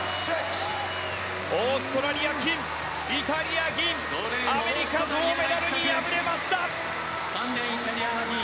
オーストラリア、金イタリア、銀アメリカ銅メダルに敗れました。